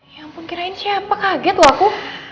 ya ampun kirain siapa kaget loh aku